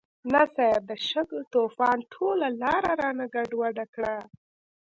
نه صيب، د شګو طوفان ټوله لاره رانه ګډوډه کړه.